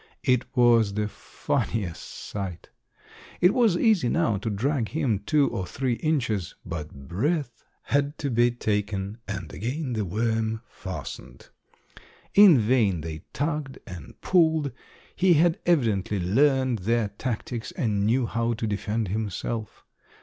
It was the funniest sight! It was easy now to drag him two or three inches, but breath had to be taken, and again the worm fastened. In vain they tugged and pulled. He had evidently learned their tactics and knew how to defend himself.